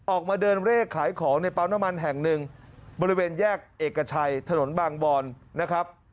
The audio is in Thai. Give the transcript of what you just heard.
ออกมาเดินเลขขายของในปั๊มน้ำมันแห่งหนึ่งบริเวณแยกเอกชัยถนนบางบอนนะครับ